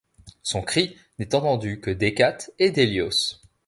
Son cri n'est entendu que d'Hécate et d'Hélios.